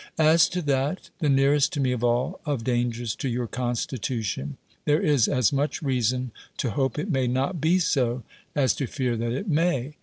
"As to that (the nearest to me of all) of dangers to your constitution: there is as much reason to hope it may not be so, as to fear that it may.